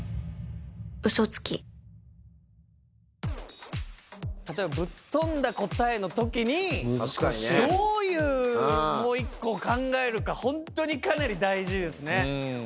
嘘つき例えばぶっ飛んだ答えのときにどういうもう１個を考えるかほんとにかなり大事ですね。